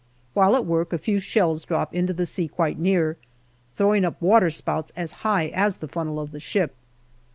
While at work, a few shells drop into the sea quite near, throwing up waterspouts as high as the funnel of the ship.